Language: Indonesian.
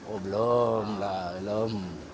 oh belum lah belum